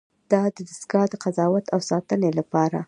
دا دستگاه د قضاوت او ساتنې لپاره ده.